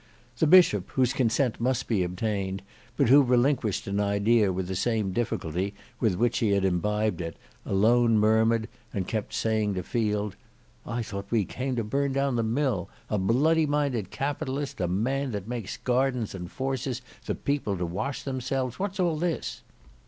The Bishop whose consent must be obtained, but who relinquished an idea with the same difficulty with which he had imbibed it, alone murmured, and kept saying to Field, "I thought we came to burn down the mill! A bloody minded Capitalist, a man that makes gardens and forces the people to wash themselves: What is all this?"